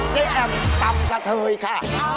แอมตำกะเทยค่ะ